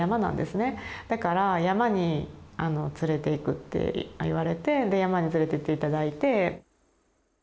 だから山に連れていくって言われてで山に連れていって頂いて。